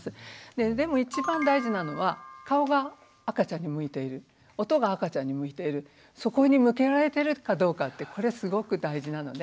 でも一番大事なのは顔が赤ちゃんに向いている音が赤ちゃんに向いているそこに向けられてるかどうかってこれすごく大事なので。